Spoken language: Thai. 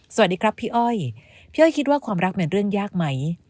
สวัสดีครับพี่อ้อยพี่อ้อยคิดว่าความรักเป็นเรื่องยากไหม